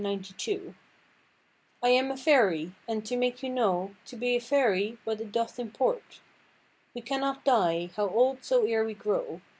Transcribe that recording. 92), "I am a fayrie, and, to make you know, To be a fayrie what it doth import: We cannot dye, how old so ear we grow.